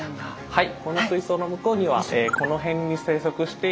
はい。